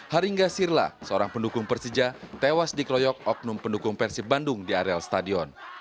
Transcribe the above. haringga sirla seorang pendukung persija tewas dikeroyok oknum pendukung persib bandung di areal stadion